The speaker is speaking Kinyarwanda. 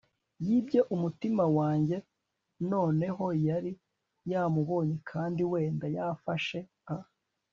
yibye umutima wanjye. noneho yari yamubonye kandi wenda yafashe a